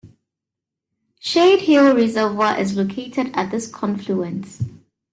Shadehill Reservoir is located at this confluence.